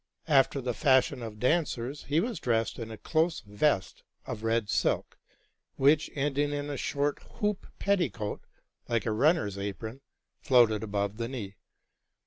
After the fashion of dancers, he was dressed in a close vest of red silk, which, ending in a short hoop petticoat, like a runner's apron, floated above the knee.